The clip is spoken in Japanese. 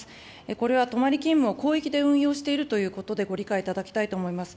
これは泊まり勤務を広域で運用しているということでご理解いただきたいと思います。